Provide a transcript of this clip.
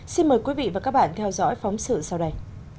xin mời quý vị và các bạn theo dõi phóng sự sau đây